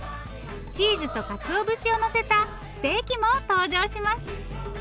チーズとかつお節をのせたステーキも登場します。